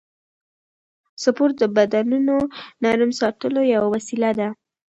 سپورت د بندونو نرم ساتلو یوه وسیله ده.